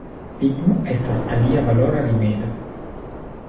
Ligno estas alia valora rimedo.